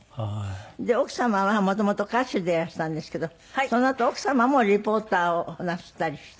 で奥様は元々歌手でいらしたんですけどそのあと奥様もリポーターをなすったりして。